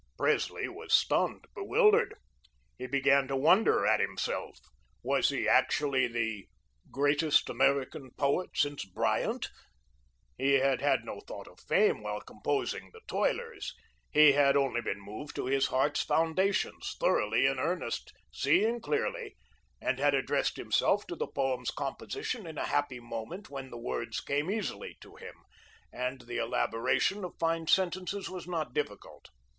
Presley was stunned, bewildered. He began to wonder at himself. Was he actually the "greatest American poet since Bryant"? He had had no thought of fame while composing "The Toilers." He had only been moved to his heart's foundations, thoroughly in earnest, seeing clearly, and had addressed himself to the poem's composition in a happy moment when words came easily to him, and the elaboration of fine sentences was not difficult.